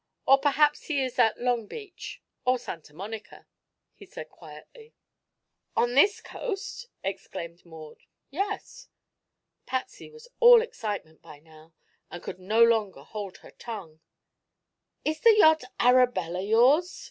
Or perhaps he is at Long Beach, or Santa Monica," he said quietly. "On this coast!" exclaimed Maud. "Yes." Patsy was all excitement by now and could no longer hold her tongue. "Is the yacht Arabella yours?"